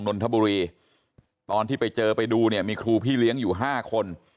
นนทบุรีตอนที่ไปเจอไปดูเนี่ยมีครูพี่เลี้ยงอยู่๕คน